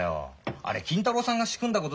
あれ金太郎さんが仕組んだことだろ？